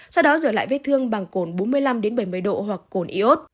sau đó rửa lại vết thương bằng cồn bốn mươi năm bảy mươi độ hoặc cồn iốt